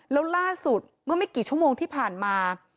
แล้วล่าสุดเมื่อไม่กี่ชั่วโมงที่ผ่านมา